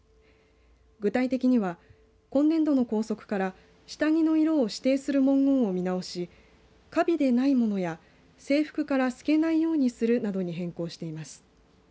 具体的には今年度の校則から下着の色を指定する文言を見直し華美でないものや制服から透けないようにするなどに変更しています。